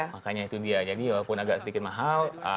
makanya itu dia jadi walaupun agak sedikit mahal